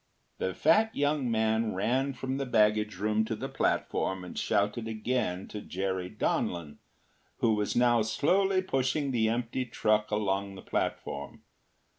” The fat young man ran from the baggage room to the platform and shouted again to Jerry Donlin, who was now slowly pushing the empty truck along the platform.